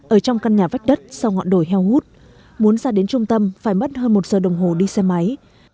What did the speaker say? ở trong căn nhà vách đất sau ngọn đồi heo hút muốn ra đến trung tâm phải mất hơn một giờ đồng hồ đi xe máy